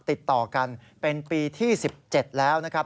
ติดต่อกันเป็นปีที่๑๗แล้วนะครับ